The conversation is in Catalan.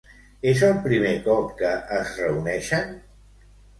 És el primer cop que es reuneixen?